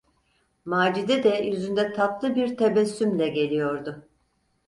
Macide de yüzünde tatlı bir tebessümle geliyordu.